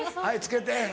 はいつけて。